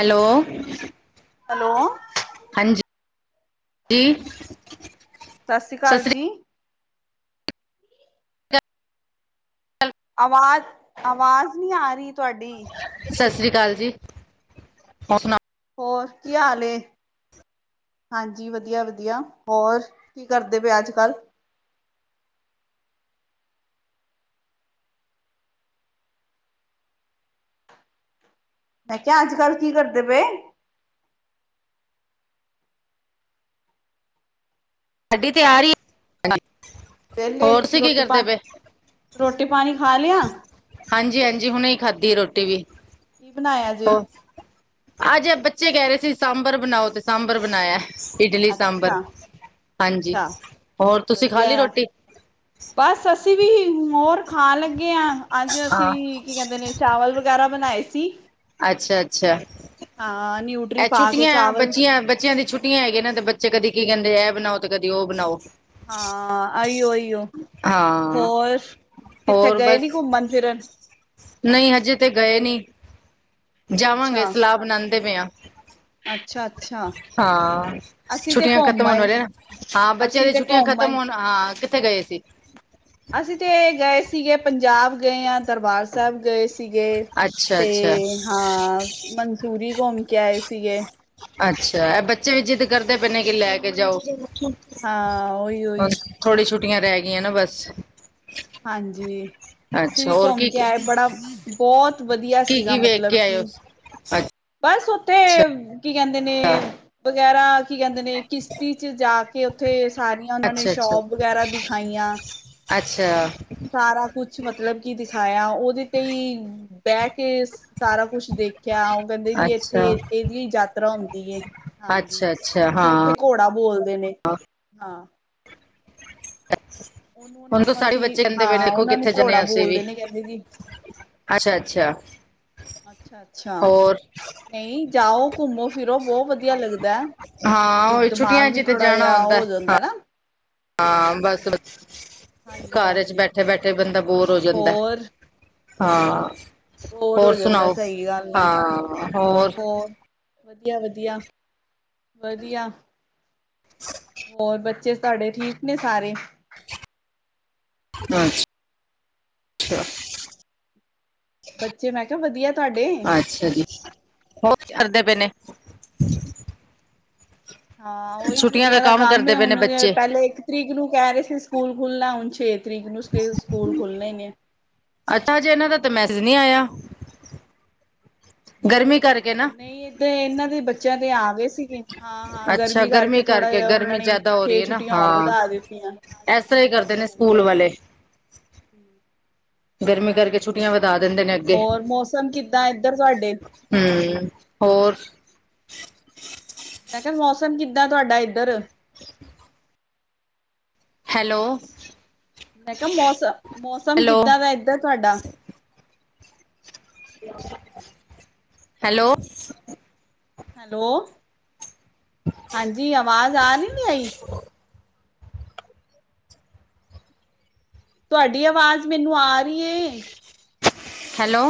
Hello. Hello. ਜੀ। ਸਤਿ ਸ਼੍ਰੀ ਅਕਾਲ ਜੀ। ਅਕਾਲ ਆਵਾਜ਼ ਆਵਾਜ਼ ਨਹੀਂ ਆ ਰਹੀ ਤੁਹਾਡੀ। ਚਾਲ ਜੀ, ਹੋਰ ਸੁਣਾ। ਹੋਰ ਕੀ ਹਾਲ ਏ? ਹਾਂਜੀ ਵਧੀਆ ਵਧੀਆ ਹੋਰ ਕੀ ਕਰਦੇ ਪਏ ਅੱਜ ਕੱਲ੍ਹ? ਮੈਂ ਕਿਹਾ ਅੱਜ ਕੱਲ੍ਹ ਕੀ ਕਰਦੇ ਪਏ? ਸਾਡੀ ਤਿਆਰੀ ਵਿਹਲੇ ਰੋਟੀ ਪਾ, ਰੋਟੀ ਪਾਣੀ ਖਾ ਲਿਆ। ਹਾਂਜੀ ਹਾਂਜੀ ਹੁਣੇ ਹੀ ਖਾਧੀ ਰੋਟੀ ਵੀ। ਕੀ ਬਣਾਇਆ ਜੇ? ਅਜੇ ਬੱਚੇ ਕਹਿ ਰਹੇ ਸੀ ਸਾਂਬਰ ਬਣਾਓ ਤੇ ਸਾਂਬਰ ਬਣਾਇਆ ਇਡਲੀ ਸਾਂਬਰ। ਅੱਛਾ ਹਾਂਜੀ, ਅੱਛਾ ਹੋਰ ਤੁਸੀਂ ਖਾ ਵਧੀਆ ਲਈ ਆ ਰੋਟੀ। ਬਸ ਅਸੀਂਂ ਵੀ ਹੋਰ। ਖਾਣ ਲੱਗੇ ਹਾਂ ਅੱਜ ਹਾਂ ਅਸੀਂ ਕੀ ਕਹਿੰਦੇ ਨੇ ਚਾਵਲ ਵਗੈਰਾ ਬਣਾਏ ਸੀ। ਅੱਛਾ-ਅੱਛਾ। ਹਾਂ ਨਿਊਟਰੀ ਇਹ ਪਾ ਕੇ ਛੁੱਟੀਆਂ ਚਾਵਲ ਬੱਚੀਆਂ ਬੱਚਿਆਂ ਦੀ ਛੁੱਟੀਆਂ ਹੈਗੀਆ ਨੇ ਤੇ ਬੱਚੇ ਕਦੇ ਕੀ ਕਹਿੰਦੇ ਕਦੇ ਇਹ ਬਣਾਓ ਤੇ ਕਦੀ ਉਹ ਬਣਾਓ। ਹਾਂ ਆਈਓ ਆਈਓ। ਹਾਂ ਹੋਰ ਕਿੱਥੇ ਹੋਰ ਗਏ ਨੀ ਬਸ ਘੁੰਮਣ ਫਿਰਨ? ਨਹੀਂ ਹਜੇ ਤੇ ਗਏ ਨੀ, ਅੱਛਾ ਜਾਵਾਂਗੇ ਸਲਾਹ ਬਣਾਉਂਦੇ ਪਏ ਆ। ਅੱਛਾ ਅੱਛਾ ਹਾਂ, ਅਸੀਂ ਤੇ ਛੁੱਟੀਆਂ ਘੁੰਮ ਖਤਮ ਹੋਣ ਆਏ ਵਾਲੀਆਂ ਨਾ ਹਾਂ ਬੱਚਿਆਂ ਅਸੀਂ ਦੀਆਂ ਤੇ ਛੁੱਟੀਆਂ ਘੁੰਮ ਖਤਮ ਆਏ ਹੋਣ ਹਾਂ ਕਿੱਥੇ ਗਏ ਸੀ? ਅਸੀਂ ਤੇ ਗਏ ਸੀਗੇ ਪੰਜਾਬ ਗਏ ਹਾਂ ਦਰਬਾਰ ਸਾਹਿਬ ਗਏ ਸੀ। ਸੀਗੇ, ਅੱਛਾ ਤੇ ਅੱਛਾ ਹਾਂ ਮਨਸੂਰੀ ਘੁੰਮ ਕੇ ਆਏ ਸੀਗੇ। ਅੱਛਾ ਇਹ ਬੱਚੇ ਵੀ ਜਿੱਦ ਕਰਦੇ ਪਏ ਨੇ ਕਿ ਲੈ ਕੇ ਜਾਓ ਹਾਂ ਉਹੀ ਹ ਉਹੀ ਥੋੜੀ ਛੁੱਟੀਆਂ ਰਹਿ ਗਈਆਂ ਨਾ ਬਸ। ਹਾਂਜੀ ਅਸੀਂ ਅੱਛਾ ਵੀ ਹੋਰ ਘੁੰਮ ਕੀ ਕੇ ਆਏ ਬੜਾ ਬਹੁਤ ਵਧੀਆ ਕੀ ਸੀਗਾ ਕੀ ਵੇਖ ਮਤਲਬ ਕੇ ਆਏ ਹੋ ਕਿ, ਬਸ ਉੱਥੇ ਅੱਛਾ ਕੀ ਕਹਿੰਦੇ ਨੇ। ਵਗੈਰਾ ਕੀ ਕਹਿੰਦੇ ਨੇ ਕਿਸ਼ਤੀ ਚ ਜਾ ਕੇ ਉੱਥੇ ਸਾਰੀਆਂ ਉਹਨਾਂ ਨੇ ਅੱਛਾ ਅੱਛਾ ਸ਼ੋਪ ਵਗੈਰਾ ਦਿਖਾਈਆਂ। ਅੱਛਾ। ਸਾਰਾ ਕੁਛ ਮਤਲਬ ਕੀ ਦਿਖਾਇਆ ਉਹਦੇ ਤੇ ਹੀ ਬਹਿ ਕੇ ਸਾਰਾ ਕੁਛ ਦੇਖਿਆ ਉਹ ਕਹਿੰਦੇ ਅੱਛਾ ਵੀ ਇੱਥੇ ਇਹਦੀ ਹੀ ਯਾਤਰਾ ਹੁੰਦੀ ਏ। ਅੱਛਾ-ਅੱਛ ਉਹਨੂੰ ਉੱਥੇ ਘੋੜਾ ਬੋਲਦੇ ਨੇ, ਹਾਂ। ਉਹਨੂੰ ਹੁਣ ਤਾਂ ਉਹਨੂੰ ਸਾਰੇ ਅਸੀਂ ਬੱਚੇ ਕਹਿੰਦੇ ਪਏ ਹਾਂ ਦੇਖੋ ਉਹਨਾਂ ਨੂੰ ਕਿੱਥੇ ਜਾਣੇੇ ਘੋੜਾ ਹ ਅਸੀਂ ਵੀ। ਬੋਲਦੇ ਨੇ ਕਹਿੰਦੇ ਜੀ ਅੱਛਾ ਅੱਛਾ ਅੱਛਾ ਅੱਛਾ ਹੋਰ ਨਹੀਂ ਜਾਓ ਘੁੰਮੋ ਫਿਰੋ ਬਹੁਤ ਵਧੀਆ ਲੱਗ ਦਾ ਹਾਂ ਵੀ ਉਹ ਛੁੱਟੀਆਂ ਦਿਮਾਗ ਵੀ ਚ ਤੇ ਥੋੜਾ ਜਾਣਾ ਜਿਹਾ ਹੁੰਦਾ ਹੋ ਜਾਂਦਾ ਨਾ ਹਾਂ ਬਸ ਹਾਂਜੀ ਘਰ ਚ ਹਾਂਜੀ ਬੈਠੇ ਬੈਠੇ ਬੰਦਾ ਬੋਰ ਹੋ ਜਾਂਦਾ ਹੋਰ ਹਾਂ ਬੋਰ ਹੋਰ ਹੋ ਜਾਂਦਾ ਸੁਣਾਓ ਸਹੀ ਗੱਲ ਆ ਹਾਂ ਹੋਰ ਵਧੀਆ ਵਧੀਆ ਵਧੀਆ ਹੋਰ ਬੱਚੇ ਤੁਹਾਡੇ ਠੀਕ ਨੇ ਸਾਰੇ ਅੱਛ ਅੱਛਾ ਬੱਚੇ ਮੈਂ ਕਿਹਾ ਵਧੀਆ ਤੁਹਾਡੇ ਅੱਛਾ ਜੀ ਹੋਰ ਕੀ ਕਰਦੇ ਪਏ ਨੇ ਹਾਂ ਉਹੀ ਛੁੱਟੀਆਂ ਦਾ ਕੰਮ ਕਰਦੇ ਪਏ ਨੇ ਹੁਣ ਬੱਚੇ ਪਹਿਲੇ ਇੱਕ ਤਰੀਕ ਨੂੰ ਕਹਿ ਰਹੇ ਸੀ ਸਕੂਲ ਖੁਲਨਾ ਹੁਣ ਛੇ ਨੂੰ ਤਰੀਕ ਸਕੂਲ ਖੁੱਲਣੇ ਨੇ ਅੱਛਾ ਜੇ ਇਹਨਾਂ ਦਾ ਤੇ ਮੈਂ ਸਜ ਨਹੀਂ ਆਇਆ ਗਰਮੀ ਕਰਕੇ ਨਾ ਨਹੀਂ ਏਦਾਂ ਇਹਨਾਂ ਦੇ ਬੱਚਿਆਂ ਦੇ ਆ ਗ ਸੀਗੇ ਹਾਂ ਹਾਂ ਅੱਛਾ ਗਰਮੀ ਕਰਕੇ ਥੋੜਾ ਜਿਹਾ ਉਹਨਾਂ ਗਰਮੀ ਨੇ ਜ਼ਿਆਦਾ ਹੋ ਰਹੀ ਛੇ ਹੈ ਨਾ ਛੁੱਟੀਆਂ ਹੋਰ ਹਾਂ ਵਧਾ ਦਿੱਤੀਆਂ ਹਾਂਜੀ ਇਸ ਤਰ੍ਹਾਂ ਹੀ ਕਰਦੇ ਨੇ ਸਕੂਲ ਵਾਲੇ ਹੁੰ ਗਰਮੀ ਕਰਕੇ ਛੁੱਟੀਆਂ ਹਾਂਜੀ ਵਧਾ ਦਿੰਦੇ ਨੇ ਅੱਗੇ ਹੋਰ ਮੌਸਮ ਕਿੱਦਾਂ ਇਏਧਰ ਤੁਹਾਡੇ ਹਮ ਹੋਰ ਮੈਂ ਕਿਹਾ ਮੌਸਮ ਕਿੱਦਾਂ ਤੁਹਾਡਾ ਇੱਧਰ [inaudible] ਹੈਲੋ ਮੈਂ ਕਿਹਾ ਮੌਸਮ ਮੌਸਮ ਹੈਲੋ ਕਿੱਦਾਂ ਦਾ ਇਏਧਰ ਤੁਹਾਡਾ ਹੈਲੋ ਹੈਲੋ ਹਾਂਜੀ ਅਵਾਜ਼ ਆ ਨੀ ਨੀ ਰੀ ਤੁਹਾਡੀ ਆਵਾਜ਼ ਮੈਨੂੰ ਆ ਰਹੀ ਹੈ ਹੈਲੋ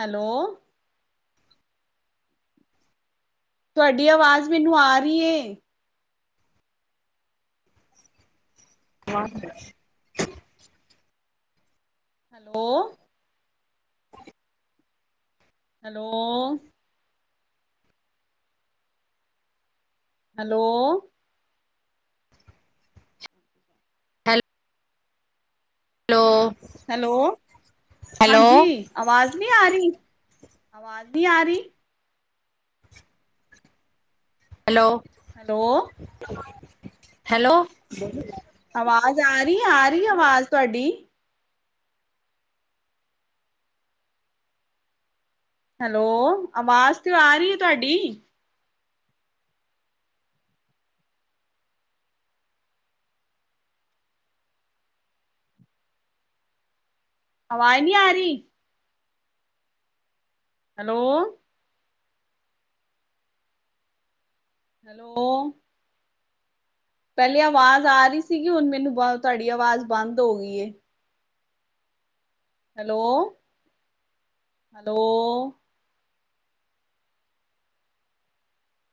ਹੈਲੋ ਤੁਹਾਡੀ ਆਵਾਜ਼ ਮੈਨੂੰ ਆ ਰੀ ਏ [unintelligible] hello hello hello hello hello hello ਹਾਂਜੀ ਹੈਲੋ ਅਵਾਜ਼ ਨਹੀਂ ਆ ਰਹੀ ਆਵਾਜ਼ ਨ ਆਰੀ ਹੈਲੋ ਹੈਲੋ ਹੈਲੋ ਆਵਾਜ਼ ਆ ਰਹੀ ਆ ਰਹੀ ਆਵਾਜ਼ ਤੁਹਾਡੀ ਹੈਲੋ ਆਵਾਜ਼ ਤ ਆ ਰਹੀ ਹੈ ਤੁਹਾਡੀ ਆਵਾਜ਼ ਨੀ ਆਰੀ ਹੈਲੋ ਹੈਲੋ ਪਹਿਲੇ ਆਵਾਜ਼ ਆ ਰਹੀ ਸੀਗੀ ਹੁਣ ਮੈਨੂੰ ਤੁਹਾਡੀ ਆਵਾਜ਼ ਬੰਦ ਹੋ ਗਈ ਹੈਲੋ ਹੈਲੋ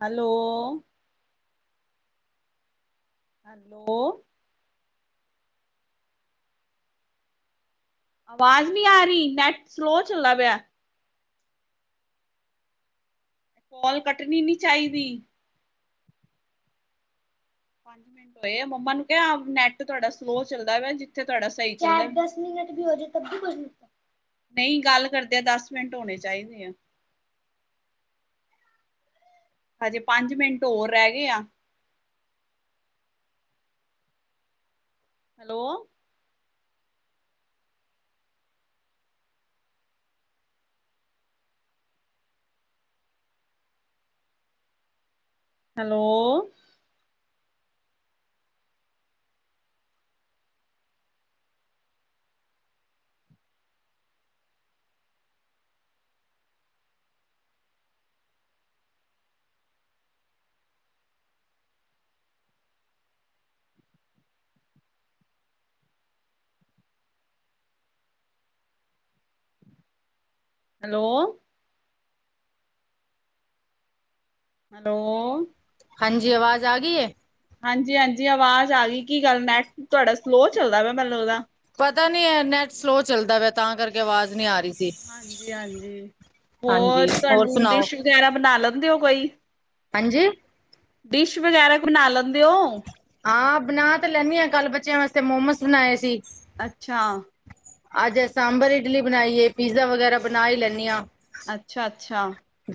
ਹੈਲੋ ਹੈਲੋ ਆਵਾਜ਼ ਨਹੀਂ ਆ ਰਹੀ ਨੈਟ ਸਲੋਅ ਚੱਲਦਾ ਪਿਆ ਕੋਲ ਕੱਟਣੀ, ਨਹੀਂ ਚਾਹੀਦੀ। ਪੰਜ ਮਿੰਟ ਹੋਏ, ਆ ਮੰਮਾ ਨੂੰ ਕਿਹਾ, ਨੈਟ ਤੁਹਾਡਾ ਸਲੋ, ਚੱਲਦਾ ਵਾ ਜਿੱਥੇ ਤੁਹਾਡਾ ਸਹੀ ਚੱਲ ਨਹੀਂ ਗੱਲ ਕਰਦੇ ਆ, ਦਸ ਮਿੰਟ ਹੋਣੇ ਚਾਹੀਦੇ ਆ। [unintelligible] ਹਜੇ ਪੰਜ ਮਿੰਟ ਹੋਰ ਰਹਿ ਗਏ ਆ ਹੈਲੋ? ਹੈਲੋ? ਹੈਲੋ, ਹੈਲੋ ਹਾਂਜੀ, ਆਵਾਜ਼ ਆ ਗਈ ਹੈ? ਹਾਂਜੀ--ਹਾਂਜੀ ਆਵਾਜ਼ ਆ ਗਈ ਪਤਾ ਨਹੀ ਐ ਨੈਟ ਸਲੋ, ਚੱਲਦਾ ਪਿਆ ਤਾਂ ਕਰਕੇ ਆਵਾਜ਼ ਨਹੀਂ ਆ ਰਹੀ। ਸੀ ਹਾਂਜੀ ਹਾਂਜੀ ਹਾਂਜੀ ਹੋਰ ਤੁਹਾਨੂੰ ਸੁਣਾਓ ਡਿਸ਼, ਵਗੈਰਾ ਬਣਾ ਲੈਂਦੇ ਹੋ ਕੋਈ? ਹਾਂਜੀ? ਡਿਸ਼,,, ਵਗੈਰਾ ਬਣਾ ਲੈਂਦੇ ਹੋ। ਹਾਂ, ਬਣਾ ਤਾਂ ਲੈਂਦੀ ਹਾਂ, ਕੱਲ ਬੱਚਿਆਂ ਵਾਸਤੇ ਮੋਮੋਸ, ਬਣਾਏ ਸੀ। ਅੱਛਾ? ਅੱਜ, ਸਾਂਬਰ, ਇਡਲੀ, ਬਣਾਈ ਏ ਪੀਜ਼ਾ, ਵਗੈਰਾ ਬਣਾ ਹੀ ਲੈਂਨੀ ਆ। ਅੱਛਾ ਅੱਛਾ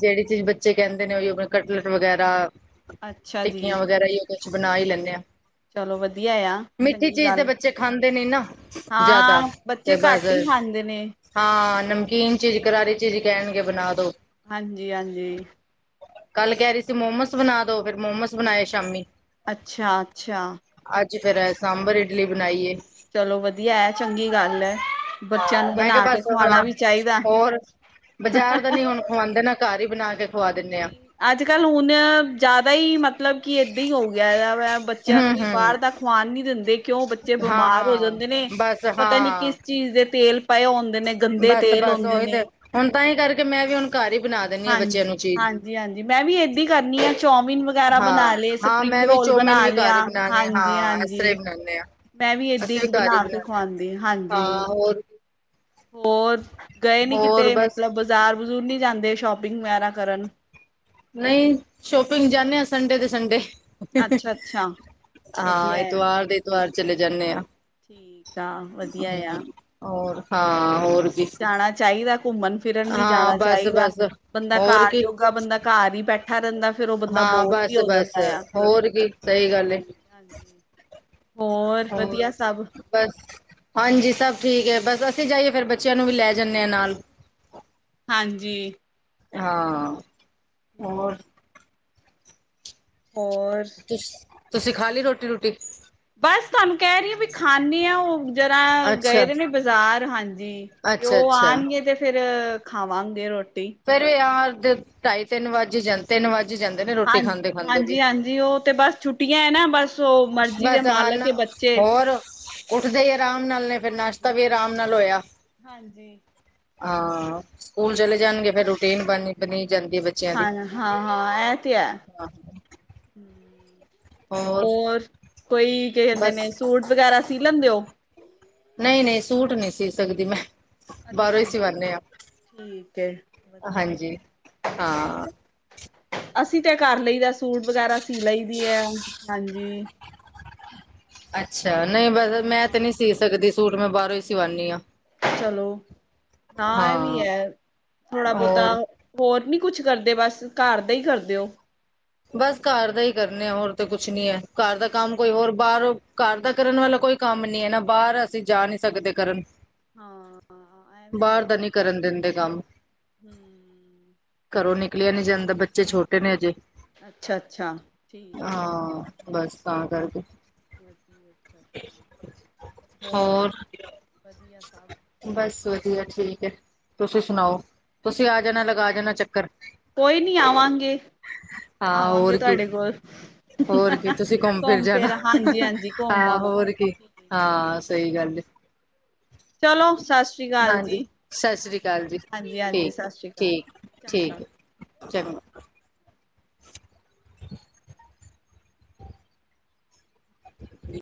ਜਿਹੜੀ ਚੀਜ਼, ਬੱਚੇ ਕਹਿੰਦੇ ਨੇ, ਉਹੀ ਕਟਲਟ, ਵਗੈਰਾ ਅੱਛਾ ਜੀ। ਟਿੱਕੀਆਂ ਵਗੈਰਾ ਹੀ ਕੁਛ, ਬਣਾ ਹੀ ਲੈਂਨੇ ਹਾਂ। ਚਲੋ ਵਧੀਆ ਆ, ਮਿੱਠੀ ਚੰਗੀ ਚੀਜ਼ ਦੇ ਗੱਲ, ਬੱਚੇ ਖਾਂਦੇ ਨੀ ਨਾ ਜ਼ਿਆਦਾ ਹਾਂ ਤੇ ਬੱਚੇ ਘੱਟ ਹੀ ਬਸ ਖਾਂਦੇ ਨੇ ਹਾਂ ਨਮਕੀਨ ਚੀਜ਼, ਕਰਾਰੀ ਚੀਜ਼, ਕਹਿਣਗੇ ਬਣਾ ਦੋ। ਹਾਂਜੀ ਹਾਂਜੀ। ਕੱਲ, ਕਹਿ ਰਹੀ ਸੀ ਮੋਮਸ, ਬਣਾ ਦੋ ਫੇਰ ਮੋਮਸ ਬਣਾਂਏ, ਸ਼ਾਮੀ। ਅੱਛਾ--ਅੱਛਾ। ਜੀ, ਫੇਰ ਸਾਂਬਰ, ਇਡਲੀ, ਬਣਾਈ ਏ। ਚਲੋ ਵਧੀਆ ਹੈ, ਚੰਗੀ ਗੱਲ ਹੈ, ਬੱਚਿਆਂ ਹਾਂ ਨੂੰ ਬਣਾ ਕੇ ਖਵਾਣਾ, ਵੀ ਚਾਹੀਦਾ। ਬਜ਼ਾਰ, ਦਾ ਨਹੀਂ ਹੁਣ ਖਵਾਉਂਦੇ, ਨਾ ਘਰ ਹੀ ਬਣਾ ਕੇ। ਖਵਾ ਦਿੰਦੇ ਆ ਅੱਜ--ਕੱਲ ਹੁਣ ਜਿਆਦਾ ਹੀ ਮਤਲਬ ਕੀ ਏਦਾਂ, ਹੀ ਹੋ ਗਿਆ ਵ ਬੱਚਿਆਂ, ਨੂੰ ਹੂੰ ਵੀ ਹੂੰ ਬਾਹਰ, ਦਾ ਖਵਾਣ ਨੀ ਦਿੰਦੀ। ਕਿਉਂ, ਬੱਚੇ ਹਾਂ ਬਿਮਾਰ ਹੋ ਹਾਂ ਜਾਂਦੇ ਨੇ, ਬਸ ਪਤਾ ਨੀ ਕਿਸ ਚੀਜ਼ ਦੇ ਤੇਲ ਪਏ ਹੁੰਦੇ ਨੇ ਗੰਦੇ ਤੇਲ ਬਸ--ਬਸ ਹੁੰਦੇ ਓਹੀ ਤੇ ਨੇ ਹੁਣ ਤਾਂ ਹੀ ਕਰਕੇ ਮੈਂ ਵੀ ਹੁਣ ਘਰ ਹੀ ਬਣਾ ਦਿੰਦੀ ਹਾਂ ਬੱਚਿਆਂ ਹਾਂਜੀ, ਨੂੰ ਚੀਜ਼ ਹਾਂਜੀ ਹਾਂਜੀ ਮੈਂ ਵੀ ਏਦਾ ਕਰਨੀ ਆ ਚੋਮਿਨ, ਵਗੈਰਾ ਬਣਾ ਹਾਂ ਲਏ ਹਾਂ ਸਪਰਿੰਗ ਮੈਂ ਵੀ ਰੋਲ, ਬਣਾ ਚੌਮਿਨ ਵੀ ਘਰ ਲਿਆ। ਹੀ ਬਣਾਉਣੀ ਹਾਂਜੀ ਹਾਂ ਇਸ ਹਾਂਜੀ। ਤਰ੍ਹਾਂ ਹੀ ਬਣਾਉਂਦੇ ਹਾਂ ਮੈਂ, ਵੀ ਅਸੀਂ ਏਦਾਂ ਘਰ ਹੀ ਬਣਾ ਕੇ ਬਣਾਉਂਦੇ ਖਵਾਦੀ, ਹਾਂ ਹਾਂਜੀ। ਹਾਂ ਹੋਰ ਹੋਰ, ਗਏ ਨੀ ਹੋਰ ਕਿਤੇ, ਬਸ ਮਤਲਬ ਬਾਜ਼ਾਰ ਬਜ਼ੂਰ, ਨਹੀਂ ਜਾਂਦੇ ਸ਼ੋਪਿੰਗ, ਵਗੈਰਾ ਕਰਨ। ਨਹੀਂ, ਸ਼ੋਪਿੰਗ ਜਾਂਦੇ ਹਾਂ, ਸੰਡੇ ਦੇ ਸੰਡੇ। ਅੱਛਾ ਅੱਛਾ ਹਾਂ, ਵਧੀਆ ਆ ਐਤਵਾਰ ਦੇ ਐਤਵਾਰ ਚਲੇ ਜਾਂਨੇ ਆ। ਦਾ ਵਧੀਆ ਹੂੰ। ਆ, ਹੋਰ ਹਾਂ ਹੋਰ ਕੀ ਜਾਣਾ ਚਾਹੀਦਾ। ਘੁੰਮਣ ਫਿਰਨ, ਵੀ ਹਾਂ ਜਾਣਾ ਬਸ ਚਾਹੀਦਾ ਬਸ ਬੰਦਾ, ਹੋਰ ਘਰ ਕੀ ਜੋਗਾ, ਬੰਦਾ ਘਰ ਹੀ ਬੈਠਾ ਰਹਿੰਦਾ। ਫਿਰ ਉਹ ਬੰਦਾ ਹਾਂ ਬੋਰ, ਵੀ ਬਸ ਆ ਬਸ ਜਾਂਦਾ। ਹੋਰ ਕੀ ਸਹੀ ਗੱਲ ਏ ਹਾਂਜੀ ਹਾਂਜੀ। ਹੋਰ ਵਧੀਆ? ਸਭ ਬਸ, ਹਾਂਜੀ ਸਭ ਠੀਕ ਹੈ। ਬ, ਸ ਅਸੀਂ ਜਾਈਏ, ਫੇਿਰ ਬੱਚਿਆਂ ਨੂੰ ਵੀ ਲੈ ਜਾਂਨੇ ਹਾਂ ਨਾਲ। ਹਾਂਜੀ। ਹਾਂ ਹੂੰ, ਹੋਰ ਤੁਸ ਤੁਸੀਂ ਖਾ ਲਈ ਰੋਟੀ- ਰੂਟੀ। ਬਸ ਤੁਹਾਨੂੰ ਕਹਿ ਰਹੀ ਵੀ ਖਾਂਨੇ ਆਂ, ਉਹ ਜਰਾ ਅੱਛਾ ਗਏ ਦੇ ਨੇ ਬਾਜ਼ਾਰ ਹਾਂਜੀ। ਜੀ ਤੇ ਅੱਛਾ ਉਹ ਅੱਛਾ। ਆਣ ਤੇ ਫੇਰ ਖਾਵਾਂਗੇ ਰੋਟੀ। ਫੇਰ ਵੀ ਆਰ ਦੇ ਢਾਈ ਤਿੰਨ ਵੱਜ ਜਾਂ ਤਿੰਨ ਵੱਜ ਹੀ ਜਾਂਦੇ ਨੇ ਰੋਟੀ ਖਾਂਦੇ ਹਾਂਜੀ- ਖਾਂਦੇ ਵੀ। ਹਾਂਜੀ -ਹਾਂਜੀ ਉਹ ਤੇ ਬਸ ਛੁੱ ਛੁੱਟੀਆਂ ਐ ਨਾ ਬਸ ਉਹ ਮਰਜ਼ੀ ਦੇ ਬਸ ਹਨ ਮਾਲਕ ਏ ਬੱਚੇ। ਹੋਰ ਉੱਠਦੇ ਹੀ ਆਰਾਮ ਨਾਲ ਨੇ, ਫਿਰ ਨਾਸ਼ਤਾ ਵੀ ਹਾਂਜੀ ਆਰਾਮ ਨਾਲ ਹੋਇਆ ਹਾਂਜੀ ਹਾਂ। ਸਕੂਲ ਚਲੇ ਜਾਣਗੇ, ਫੇਰ ਰੂਟੀਨ ਬਣ ਬਣੀ। ਜਾਂਦੀ ਐ ਬੱਚਿਆਂ ਦੀ। ਹਾਂ ਹਾਂ ਹਾਂ ਇਹ ਤੇ ਹੈ। ਹੋਰ ਕੋਈ ਕੀ ਕਹਿੰਦੇ ਬਸ ਨੇ ਸੂਟ ਵਗੈਰਾ ਸੀਅ ਲੈਂਦੇ ਹੋ। ਨਹੀਂ -ਨਹੀਂ ਸੂਟ ਨਹੀਂ ਸੀਅ ਸਕਦੀ ਮੈਂ, ਬਾਹਰੋਂ ਅੱਛਾ ਹੀ ਸਿਵਾਨੇ ਆਂ। ਠੀਕ ਐ, ਵਧੀਆ ਐ। ਹਾਂ ਅਸੀਂ ਤੇ ਕਰ ਲਈ ਦਾ ਸੂਟ ਵਗੈਰਾ ਸੀਅ ਲਈ ਦੀ ਐ, ਹਾਂਜੀ। ਅੱਛਾ ਨਹੀਂ ਬਸ ਮੈਂ ਤੇ ਨਹੀਂ ਸੀਅ ਸਕਦੀ ਸੂਟ, ਮੈਂ ਬਾਹਰੋਂ ਹੀ ਸਿਵਾਂਣੀ ਆਂ। ਚਲੋ ਨਾ ਇਹ ਵੀ ਹਾਂ ਐ, ਥੋੜਾ ਬਹੁਤਾ ਹੋਰ ਹੋਰ ਨੀ ਕੁਛ ਕਰਦੇ ਬਸ ਘਰ ਦਾ ਹੀ ਕਰਦੇ ਹੋ। ਬਸ ਘਰ ਦਾ ਹੀ ਕਰਨੇ ਆ ਹੋਰ ਤਾਂ ਕੁਛ ਨੀ ਹੈ, ਘਰ ਦਾ ਕੰਮ ਕੋਈ ਹੋਰ ਬਾਹਰੋ ਘਰ ਦਾ ਕਰਨ ਵਾਲਾ ਕੋ ਕੋਈ ਕੰਮ ਨੀ ਹੈ ਨਾ, ਬਾਹਰ ਅਸੀਂ ਜਾ ਨੀ ਸਕਦੇ ਕਰਨ। ਹਾਂ ਐ ਵੀ ਬਾਹਰ ਹੈ ਦਾ ਨਹੀਂ ਕਰਨ ਦਿੰਦੇ ਕੰਮ। ਹਮ ਘਰੋਂ ਨਿਕਲਿਆ ਨੀ ਜਾਂਦਾਂ, ਬੱਚੇ ਛੋਟੇ ਨੇ ਹਜੇ। ਅੱਛਾ ਅੱਛਾ ਠੀਕ ਹੈ ਹਾਂ, ਬਸ ਤਾਂ ਕਰਕੇ [unintelligible] ਹੋਰ, ਵਧੀਆ ਸਭ ਬਸ ਵਧੀਆ। ਠੀਕ ਤੁਸੀਂ ਸੁਣਾਓ, ਤੁਸੀਂ ਆ ਜਾਣਾ ਲਗਾ ਜਾਣਾ ਚੱਕਰ। ਕੋਈ ਨੀ ਆਵਾਂਗੇ। ਹਾਂ ਆਵਾਂਗੇ ਹੋਰ ਕੀ ਤੁਹਾਡੇ ਕੋਲ, ਹੋਰ ਕੀ ਤੁਸੀਂ ਘੁੰਮ ਜਾਣਾ ਫਿਰ ਹਾਂਜੀ -ਹਾਂਜੀ ਘੁੰਮ ਹਾਂ ਆਵਾਂ ਹੋਰ ਹਾਂ, ਸਹੀ ਗੱਲ ਏ। ਚਲੋ ਸਸ ਰੀ ਕਾਲ ਹਾਂਜੀ ਜੀ, ਸਤਿ ਸ੍ਰੀ ਅਕਾਲ ਜੀ ਹਾਂਜੀ- ਹਾਂਜੀ ਠੀਕ ਸਸ ਰੀ ਕਾਲ। ਚੰਗਾ, ਚੰਗ [unintelligible] [unintelligible]